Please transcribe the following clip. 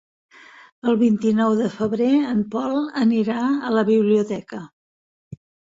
El vint-i-nou de febrer en Pol anirà a la biblioteca.